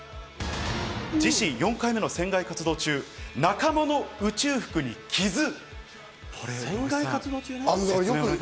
自身４回目の船外活動中、仲間の宇宙服にキズ。